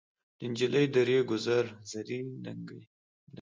نجلۍ د ریګو زر زري ننکۍ